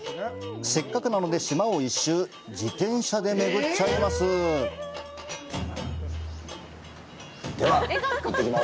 せっかくなので、島を１周、自転車で巡っちゃいます！